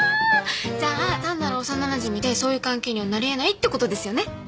じゃあ単なる幼なじみでそういう関係にはなり得ないってことですよね？